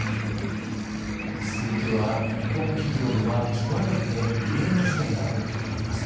続いては、日本企業では極めて異例の事態が起きています。